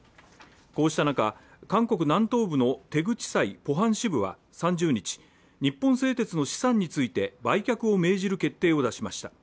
こうした中、韓国南東部のテグ地裁ポハン支部は３０日、日本製鉄の資産について、売却を命じる決定を出しました。